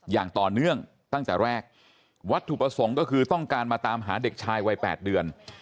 อย่างต่อเนื่องตั้งแต่แรกวัตถุประสงค์ก็คือต้องการมาตามหาเด็กชายวัย๘เดือน